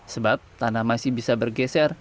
sebab tanah masih bisa bergeser